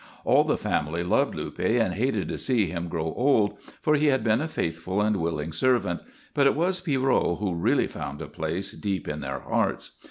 All the family loved Luppe and hated to see him grow old, for he had been a faithful and willing servant, but it was Pierrot who really found a place deep in their hearts.